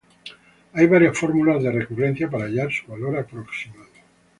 Hay varias fórmulas de recurrencia para hallar su valor aproximado.